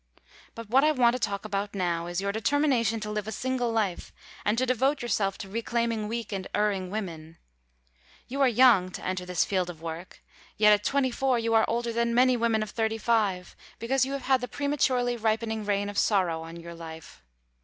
But what I want to talk about now, is your determination to live a single life and to devote yourself to reclaiming weak and erring women. You are young to enter this field of work, yet at twenty four you are older than many women of thirty five, because you have had the prematurely ripening rain of sorrow on your life.